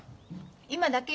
今だけよ。